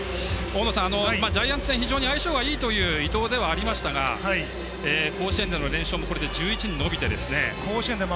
大野さんジャイアンツ戦相性がいいという伊藤ではありましたが甲子園での連勝もこれで１１に伸びて。